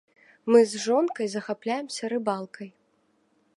Мы з жонкай захапляемся рыбалкай.